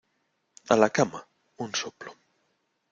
¡A la cama! un soplo.